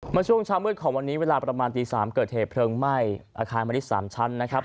เมื่อช่วงเช้ามืดของวันนี้เวลาประมาณตี๓เกิดเหตุเพลิงไหม้อาคารมณิชย์๓ชั้นนะครับ